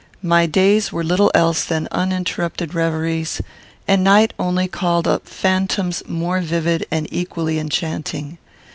My days were little else than uninterrupted reveries, and night only called up phantoms more vivid and equally enchanting.